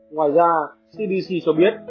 ngoài ra cdc cho biết